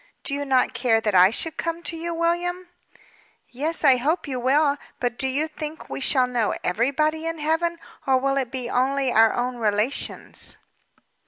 "Do you not care that I should come to you, William?" "Yes, I hope you will. But do you think we shall know everybody in Heaven? Or will it be only our own relations?"